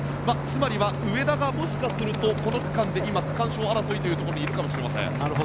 つまりは、上田がもしかすると今、区間賞争いというところにいるかもしれません。